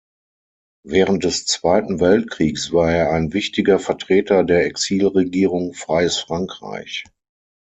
Während des Zweiten Weltkriegs war er ein wichtiger Vertreter der Exilregierung „Freies Frankreich“.